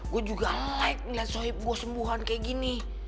gue juga like melihat sohib gue sembuhan kayak gini